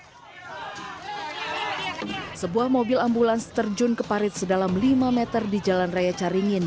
hai sebuah mobil ambulans terjun keparit sedalam lima meter di jalan raya caringin